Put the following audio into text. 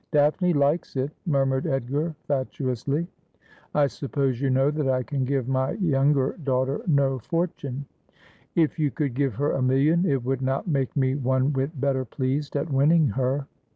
'Daphne likes it,' murmured Edgar fatuously. ' I suppose you know that I can give my younger daughter no fortune ?'' If you could give her a million, it would not make me one whit better pleased at winning her.'